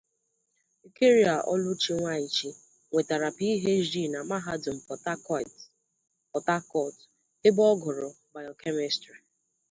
Eucharia Oluchi Nwaichi nwetara Ph.D na Mahadum Pot Hakot (Port Harcourt) ebe o guru BioChemistry.